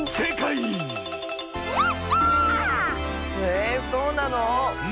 えそうなの⁉